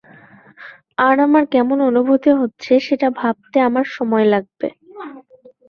আর আমার কেমন অনুভূতি হচ্ছে, সেটা ভাবতে আমার সময় লাগবে।